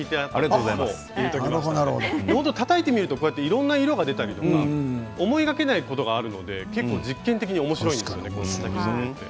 たたいてみるといろいろな色が出たり思いがけないことがあるのでおもしろいですね。